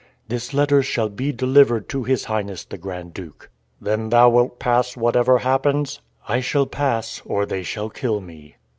"This letter shall be delivered to his Highness the Grand Duke." "Then thou wilt pass whatever happens?" "I shall pass, or they shall kill me."